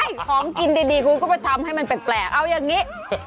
ของกินดีคุณก็ไปทำให้มันแปลกเอาอย่างนี้